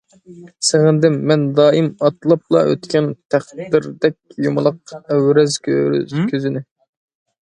سېغىندىم، مەن دائىم ئاتلاپلا ئۆتكەن، تەقدىردەك يۇمىلاق ئەۋرەز كۆزىنى.